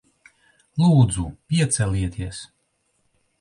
Lūdzu, piecelieties.